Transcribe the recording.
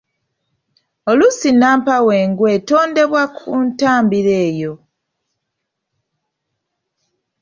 Oluusi nnampawengwa etondebwa ku ntabiro eyo.